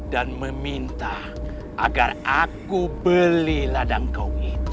dan meminta agar aku beli ladang kau itu